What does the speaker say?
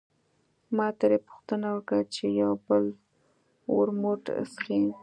ما ترې پوښتنه وکړه چې یو بل ورموت څښې.